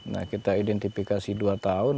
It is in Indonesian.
nah kita identifikasi dua tahun